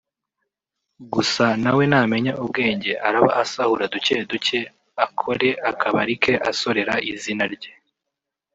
Gusa na we namenya ubwenge araba asahura duke duke akore akabari ke asorera izina rye